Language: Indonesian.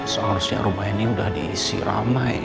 seharusnya rumah ini sudah diisi ramai